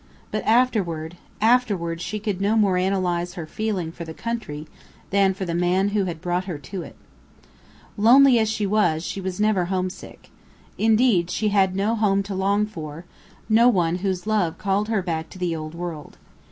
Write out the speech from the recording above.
But afterward afterward she could no more analyze her feeling for the country than for the man who had brought her to it. Lonely as she was, she was never homesick. Indeed, she had no home to long for, no one whose love called her back to the old world.